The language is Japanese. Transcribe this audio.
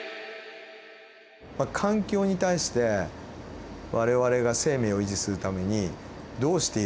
環境に対して我々が生命を維持するためにどうしているのか。